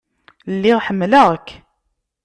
Lliɣ ḥemmleɣ-k.